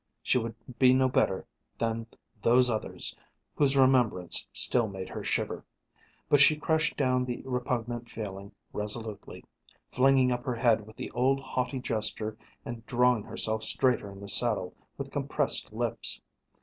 She would be no better than "those others" whose remembrance still made her shiver. But she crushed down the repugnant feeling resolutely, flinging up her head with the old haughty gesture and drawing herself straighter in the saddle with compressed lips.